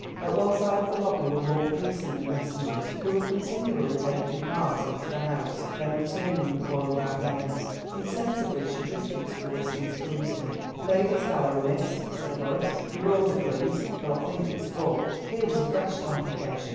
At one side of the lobby were more policemen and messengers, who were continually taking cards into the House, then returning and calling out names. Insensibly she drifted towards these policemen. "Ladies' Gallery, miss?" said a voice; "your order, please, though I think it's full." Here was a fresh complication.